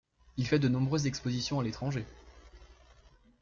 Il fait de nombreuses expositions à l'étranger.